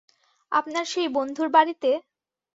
আপনার সেই বন্ধুর বাড়িতে?